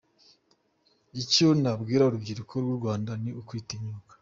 Icyo nabwira urubyiruko rw’u Rwanda, ni ukwitinyuka.